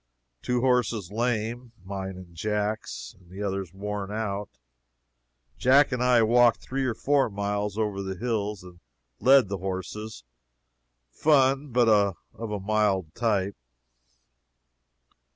Two horses lame (mine and Jack's) and the others worn out. Jack and I walked three or four miles, over the hills, and led the horses. Fun but of a mild type."